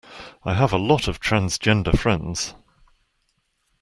I have a lot of transgender friends